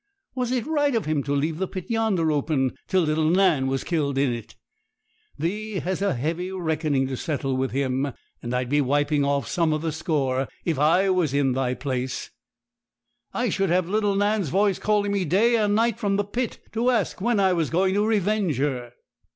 Was it right of him to leave the pit yonder open, till little Nan was killed in it? Thee has a heavy reckoning to settle with him, and I'd be wiping off some of the score. If I was in thy place, I should have little Nan's voice calling me day and night from the pit, to ask when I was going to revenge her.'